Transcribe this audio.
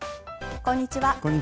こんにちは。